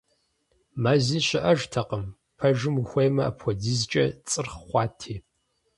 Мэзи щыӀэжтэкъым, пэжым ухуеймэ, апхуэдизкӀэ цӀырхъ хъуати.